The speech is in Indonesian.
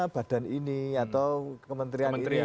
badan ini atau kementerian ini